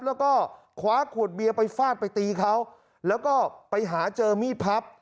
แล้วก็คว้าขวดเบียร์ไปฟาดไปตีเขาแล้วก็ไปหาเจอมีดพับ